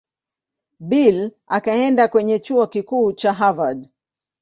Bill akaenda kwenye Chuo Kikuu cha Harvard.